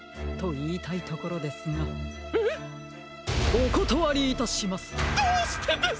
おことわりいたします！